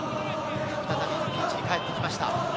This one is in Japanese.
ピッチに帰ってきました。